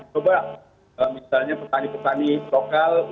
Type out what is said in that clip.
coba misalnya petani petani lokal